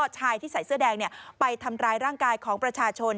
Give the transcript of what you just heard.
ชายที่ใส่เสื้อแดงไปทำร้ายร่างกายของประชาชน